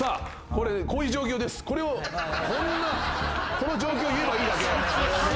この状況を言えばいい。